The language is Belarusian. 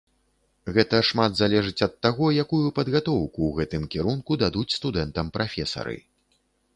Гэта шмат залежыць ад таго, якую падгатоўку ў гэтым кірунку дадуць студэнтам прафесары.